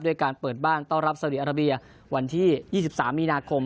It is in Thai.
การเปิดบ้านต้อนรับสาวดีอาราเบียวันที่๒๓มีนาคม